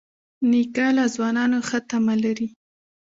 نیکه له ځوانانو ښه تمه لري.